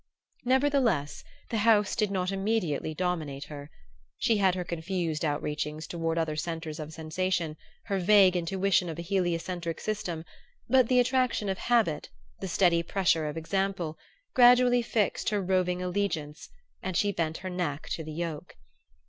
Nevertheless, the House did not immediately dominate her. She had her confused out reachings toward other centres of sensation, her vague intuition of a heliocentric system; but the attraction of habit, the steady pressure of example, gradually fixed her roving allegiance and she bent her neck to the yoke.